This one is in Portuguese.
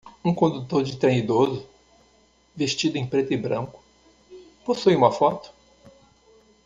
Um condutor de trem idoso? vestido em preto e branco? possui uma foto.